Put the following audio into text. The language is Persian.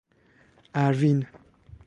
اَروین